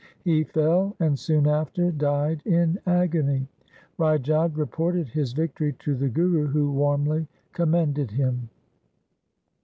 He fell and soon after died in agony. Rai Jodh reported his victory to the Guru who warmly commended him.